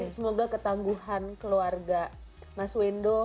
semoga ketangguhan keluarga mas wendo